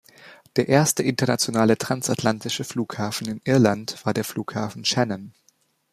Der erste internationale transatlantische Flughafen in Irland war der Flughafen Shannon.